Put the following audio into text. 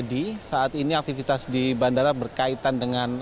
saya rizky saat ini aktivitas di bandara berkaitan